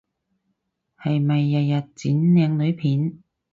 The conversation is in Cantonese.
係咪日日剪靚女片？